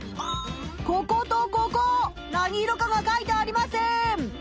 こことここ何色かが書いてありません！